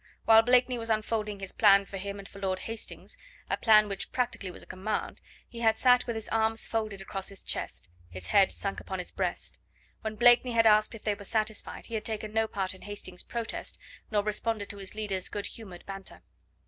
While Blakeney was unfolding his plan for him and for Lord Hastings a plan which practically was a command he had sat with his arms folded across his chest, his head sunk upon his breast. When Blakeney had asked if they were satisfied, he had taken no part in Hastings' protest nor responded to his leader's good humoured banter.